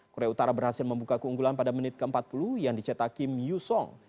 korea utara berhasil membuka keunggulan pada menit ke empat puluh yang dicetakim yu song